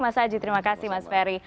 mas aji terima kasih mas ferry